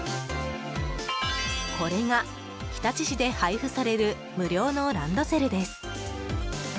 これが日立市で配布される無料のランドセルです。